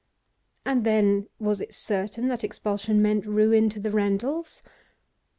And then was it certain that expulsion meant ruin to the Rendals?